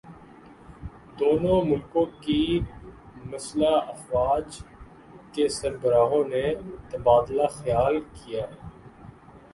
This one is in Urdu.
دونوں ملکوں کی مسلح افواج کے سربراہوں نے تبادلہ خیال کیا ہے